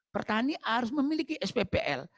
petani harus memiliki sppl